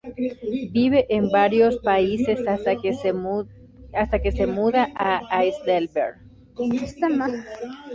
Vive en varios países hasta que se muda a Heidelberg.